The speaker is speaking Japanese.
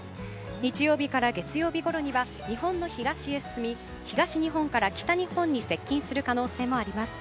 日曜日から月曜日ごろには日本の東へ進み東日本から北日本に接近する恐れもあります。